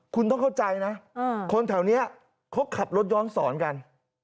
คุณต้องเข้าใจนะคนแถวนี้เขาขับรถย้อนสอนกัน